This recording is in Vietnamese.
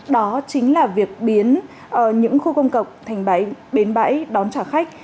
đó chính là việc biến những khu công cộng thành bến bãi đón trả khách